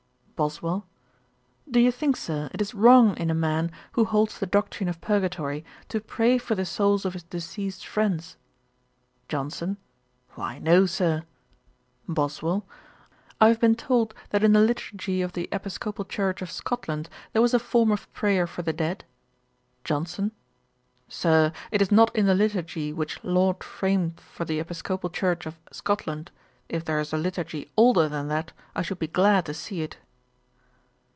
BOSWELL. 'Do you think, Sir, it is wrong in a man who holds the doctrine of purgatory, to pray for the souls of his deceased friends?' JOHNSON. 'Why, no, Sir.' BOSWELL. 'I have been told, that in the Liturgy of the Episcopal Church of Scotland, there was a form of prayer for the dead.' JOHNSON. 'Sir, it is not in the liturgy which Laud framed for the Episcopal Church of Scotland: if there is a liturgy older than that, I should be glad to see it.'